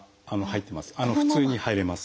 普通に入れます。